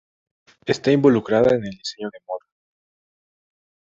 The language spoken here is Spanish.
Está involucrada en el diseño de moda.